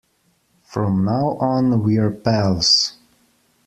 From now on we're pals.